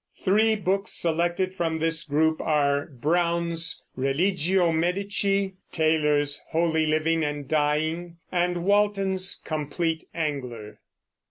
Three books selected from this group are Browne's Religio Medici, Taylor's Holy Living and Dying, and Walton's Complete Angler.